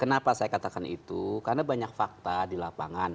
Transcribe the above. kenapa saya katakan itu karena banyak fakta di lapangan